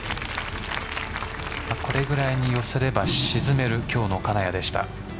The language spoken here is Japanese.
これぐらいに寄せれば沈める、今日の金谷でした。